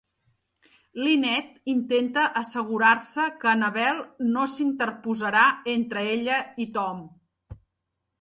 Lynette intenta assegurar-se que Annabel no s'interposarà entre ella i Tom.